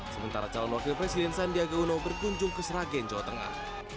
sementara calon wakil presiden sandiaga uno berkunjung ke sragen jawa tengah